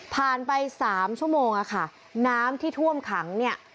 ไปสามชั่วโมงอะค่ะน้ำที่ท่วมขังเนี่ย